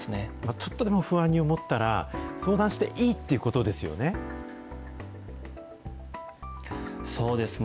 ちょっとでも不安に思ったら、相談していいっていうことですよね。